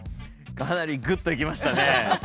かなりグッといきましたね。